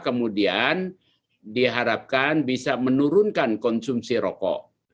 kemudian diharapkan bisa menurunkan konsumsi rokok